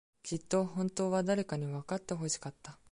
きっと、本当は、誰かにわかってほしかった。